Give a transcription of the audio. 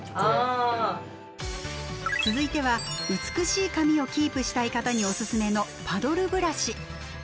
続いては美しい髪をキープしたい方におすすめのパドルブラシ。